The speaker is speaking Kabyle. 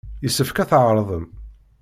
Yessefk ad tɛerḍem.